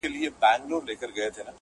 له وختونو مي تر زړه ویني څڅیږي؛